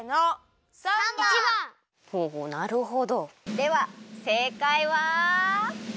ではせいかいは。